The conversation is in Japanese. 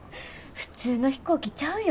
普通の飛行機ちゃうよ。